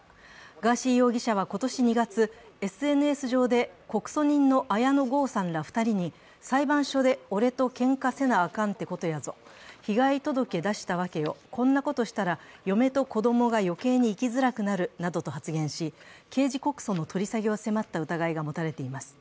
ガーシー容疑者は今年２月、ＳＮＳ上で告訴人の綾野剛さんら２人に裁判所で俺とけんかせなあかんってことやぞ、被害届け出したわけよ、こんなことしたら嫁と子供が余計に生きづらくなるなどと発言し刑事告訴の取り下げを迫った疑いが持たれています。